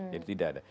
jadi tidak ada